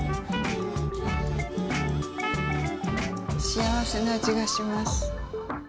幸せなあじがします。